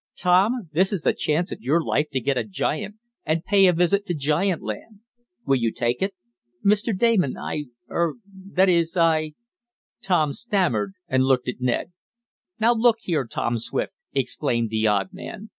Tom, this is the chance of your life to get a giant, and pay a visit to giant land. Will you take it?" "Mr. Damon, I er that is I " Tom stammered and looked at Ned. "Now look here, Tom Swift!" exclaimed the odd man.